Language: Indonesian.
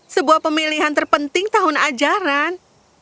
sebuah pemilihan terpenting tahun ajaran